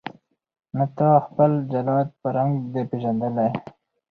نه تا خپل جلاد په رنګ دی پیژندلی